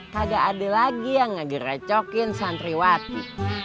kagak ada lagi yang ngeracokin santriwati